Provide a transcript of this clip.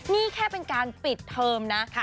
นี่แค่เป็นการปิดเทอมนะ